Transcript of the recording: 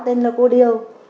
tên là cô điều